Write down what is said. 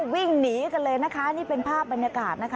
วิ่งหนีกันเลยนะคะนี่เป็นภาพบรรยากาศนะคะ